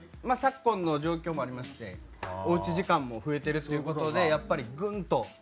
昨今の状況もありましておうち時間も増えてるっていう事でやっぱりグンと